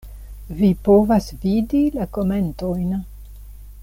Vi povas vidi la komentojn.